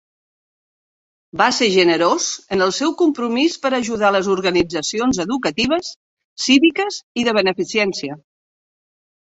Va ser generós en el seu compromís per ajudar les organitzacions educatives, cíviques i de beneficència.